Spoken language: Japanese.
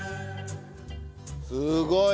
すごい！